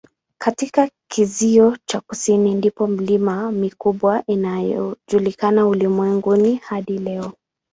Katika kizio cha kusini ndipo milima mikubwa inayojulikana ulimwenguni hadi leo.